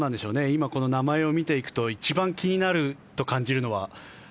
今、名前を見ていくと一番気になると感じるのは。